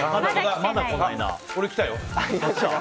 俺、来たよ。